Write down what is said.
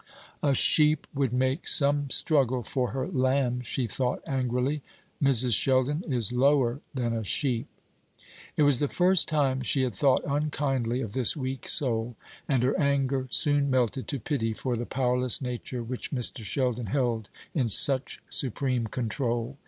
"A sheep would make some struggle for her lamb," she thought, angrily. "Mrs. Sheldon is lower than a sheep." It was the first time she had thought unkindly of this weak soul, and her anger soon melted to pity for the powerless nature which Mr. Sheldon held in such supreme control.